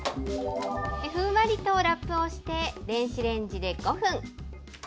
ふんわりとラップをして電子レンジで５分。